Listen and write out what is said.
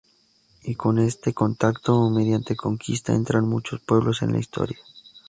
Y con este contacto o mediante conquista entran muchos pueblos en la Historia.